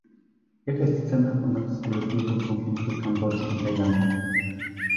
jaka jest cena ponad stuletniego konfliktu Kambodży i Tajlandii?